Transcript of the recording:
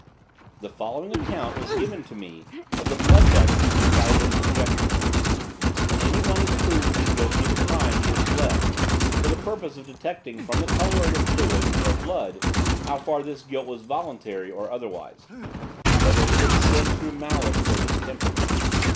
The following account was given to me of the blood letting to which I had been subjected. When any one is proved to be guilty of a crime, he is bled, for the purpose of detecting from the color of the fluid, or blood, how far his guilt was voluntary or otherwise; whether he had sinned through malice or distemper.